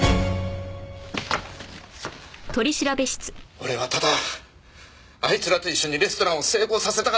俺はただあいつらと一緒にレストランを成功させたかっただけなのに。